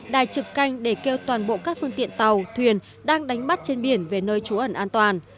đài trực canh để kêu toàn bộ các phương tiện tàu thuyền đang đánh bắt trên biển về nơi trú ẩn an toàn